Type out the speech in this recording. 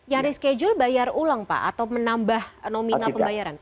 yang reschedule bayar ulang pak atau menambah nominal pembayaran